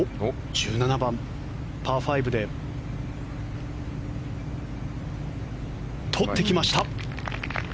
１７番、パー５で取ってきました